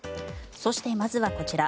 そして、まずはこちら。